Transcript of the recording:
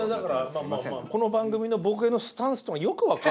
この番組の僕へのスタンスっていうのがよくわかる。